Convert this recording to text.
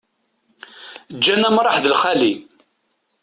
Ǧǧan amṛaḥ d lxali.